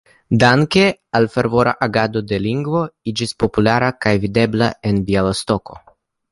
Danke al fervora agado la lingvo iĝis populara kaj videbla en Bjalistoko.